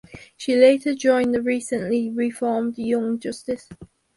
She later joined the recently reformed Young Justice.